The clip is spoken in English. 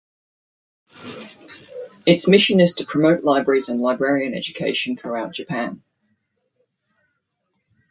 Its mission is to promote libraries and librarian education throughout Japan.